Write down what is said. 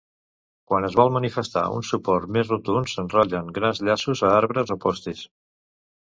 Quan es vol manifestar un suport més rotund s'enrotllen grans llaços a arbres o postes.